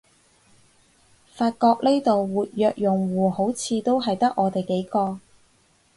發覺呢度活躍用戶好似都係得我哋幾個